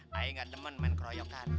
hehehe saya gak demen main keroyokan